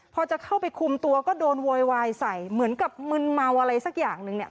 พอจะเข้าไปคุมตัวก็โดนโวยวายใส่เหมือนกับมึนเมาอะไรสักอย่างนึงเนี่ย